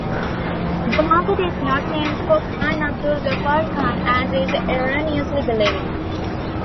The market is not named for Khan Abdul Ghaffar Khan as is erroneously believed.